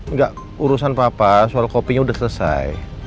nggak urusan papa soal kopinya udah selesai